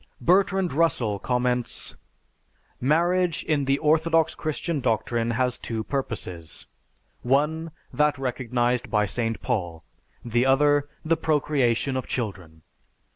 Bertrand Russell comments, "Marriage in the orthodox Christian doctrine has two purposes: one, that recognized by St. Paul, the other, the procreation of children.